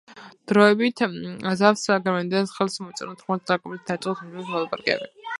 დროებით ზავს გერმანიასთან ხელი მოეწერა თხუთმეტ დეკემბერს და დაიწყო სამშვიდობო მოლაპარაკებები